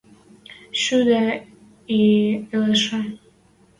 Шӱдӹ и ӹлӹшӹ